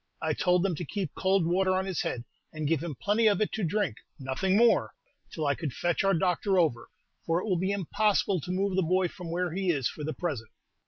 I told them to keep cold water on his head, and give him plenty of it to drink, nothing more, till I could fetch our doctor over, for it will be impossible to move the boy from where he is for the present."